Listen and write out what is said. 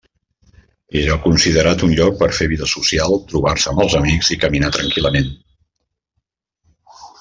Era considerat un lloc per fer vida social, trobar-se amb els amics i caminar tranquil·lament.